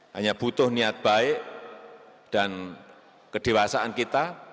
hanya butuh niat baik dan kedewasaan kita